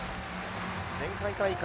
前回大会